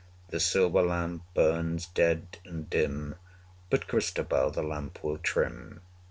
The silver lamp burns dead and dim; But Christabel the lamp will trim.